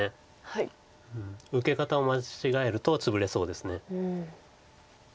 受け方を間違えるとツブれそうです。